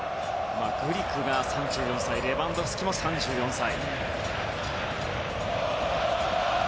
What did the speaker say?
グリクが３４歳レバンドフスキも３４歳。